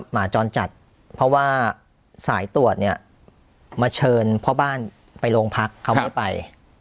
หมาจรจัดเพราะว่าสายตรวจเนี่ยมาเชิญพ่อบ้านไปโรงพักเขาไม่ไป